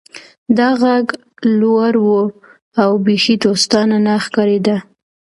دا غږ لوړ و او بیخي دوستانه نه ښکاریده